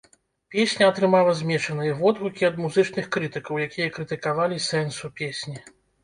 Песня атрымала змешаныя водгукі ад музычных крытыкаў, якія крытыкавалі сэнсу песні.